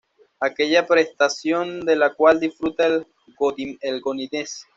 Aquella prestación de la cuál disfruta el Godínez.